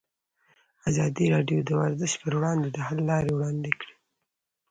ازادي راډیو د ورزش پر وړاندې د حل لارې وړاندې کړي.